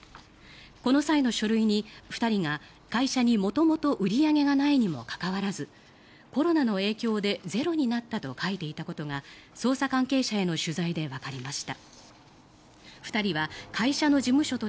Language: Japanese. この際の書類に２人が、会社に元々売り上げがないにもかかわらずコロナの影響でゼロになったと書いていたことが捜査関係者への取材でわかりました。